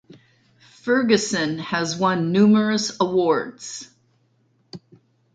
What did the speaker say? Ferguson has won numerous awards.